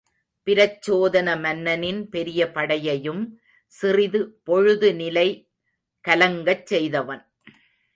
பிரச்சோதன மன்னனின் பெரிய படையையும் சிறிது பொழுது நிலை கலங்கச் செய்தவன்.